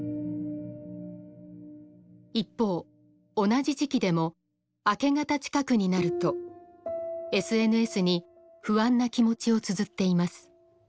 一方同じ時期でも明け方近くになるとＳＮＳに不安な気持ちをつづっています。